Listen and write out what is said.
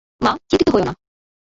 মা, চিন্তিত হয়ো না।